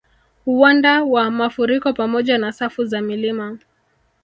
Uwanda wa mafuriko pamoja na safu za milima